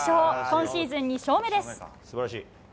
今シーズン２勝目です。